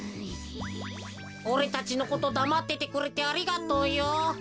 おれたちのことだまっててくれてありがとうよ。